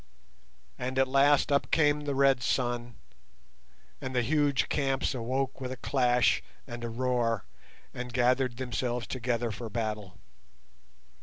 And at last up came the red sun, and the huge camps awoke with a clash, and a roar, and gathered themselves together for battle.